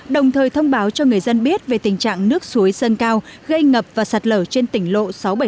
đồng thời thông báo cho người dân biết về tình trạng nước suối dân cao gây ngập và sạt lở trên tỉnh lộ sáu trăm bảy mươi chín